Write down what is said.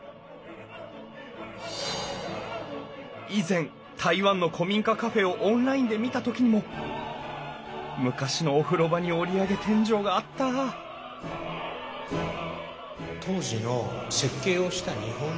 以前台湾の古民家カフェをオンラインで見た時にも昔のお風呂場に折り上げ天井があった当時の設計をした日本人。